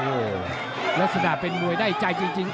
โอ้โหลักษณะเป็นมวยได้ใจจริง